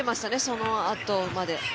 そのあとまで。